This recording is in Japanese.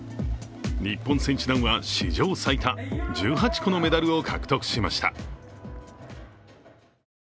日本選手団は史上最多１８個のメダルを獲得しました。